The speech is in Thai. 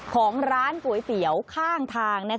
ของร้านก๋วยเตี๋ยวข้างทาง